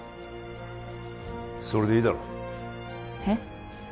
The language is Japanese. それでいいだろうえっ？